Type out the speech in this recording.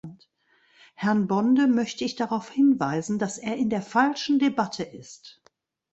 Herrn Bonde möchte ich darauf hinweisen, dass er in der falschen Debatte ist.